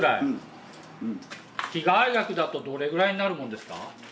被害額だとどれぐらいになるものですか？